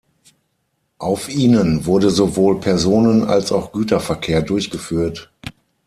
Auf ihnen wurde sowohl Personen- als auch Güterverkehr durchgeführt.